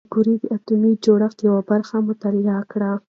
ماري کوري د اتومي جوړښت یوه برخه مطالعه کړه.